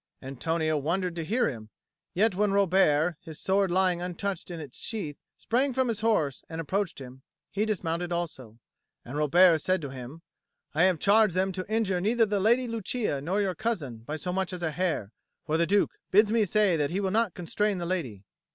Antonio wondered to hear him; yet, when Robert, his sword lying untouched in its sheath, sprang from his horse and approached him, he dismounted also; and Robert said to him: "I have charged them to injure neither the Lady Lucia nor your cousin by so much as a hair; for the Duke bids me say that he will not constrain the lady."